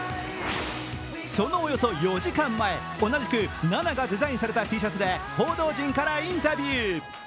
そのおよそ４時間前、同じく７がデザインされたＴシャツで報道陣からインタビュー。